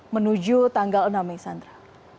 menuju tanggal enam sandra